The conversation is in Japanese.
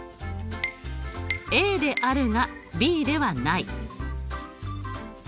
ＡであるがＢではない。